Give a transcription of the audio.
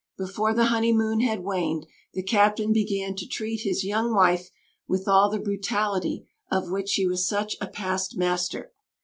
Before the honeymoon had waned, the Captain began to treat his young wife with all the brutality of which he was such a past master.